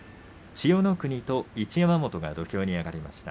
千代の国と一山本が土俵に上がりました。